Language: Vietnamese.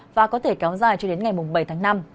và có thể kéo dài cho đến ngày bảy tháng năm